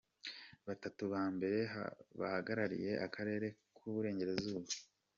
Batatu ba mbere bahagarariye akarere k'u Burengerazuba.